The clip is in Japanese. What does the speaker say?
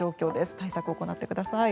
対策、行ってください。